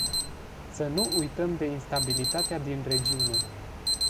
Să nu uităm de instabilitatea din regiune.